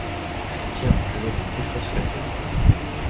Tiens je vais lui défoncer la tête.